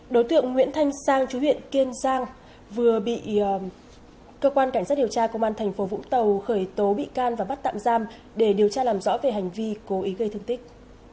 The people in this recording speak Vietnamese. đối tượng nguyễn thanh sang chú huyện kiên giang vừa bị cơ quan cảnh sát điều tra công an thành phố vũng tàu khởi tố bị can và bắt tạm giam để điều tra làm rõ về hành vi cố ý gây thương tích